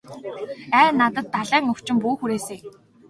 Ай надад далайн өвчин бүү хүрээсэй.